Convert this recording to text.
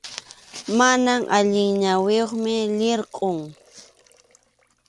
Mana allin ñawiyuqmi, lirqʼum.